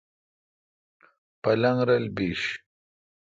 پلنگ رل بیش۔